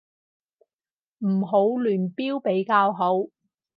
唔好亂標比較好